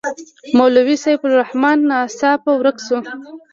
مولوي سیف الرحمن ناڅاپه ورک شو.